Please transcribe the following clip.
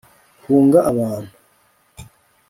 hunga abantu